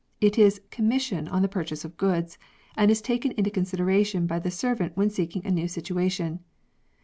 It is commission on the purchase of goods, and is taken into consideration by the servant when seeking a new situation.